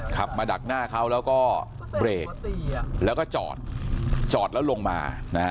ขับมาดักหน้าเขาแล้วก็เบรกแล้วก็จอดจอดแล้วลงมานะฮะ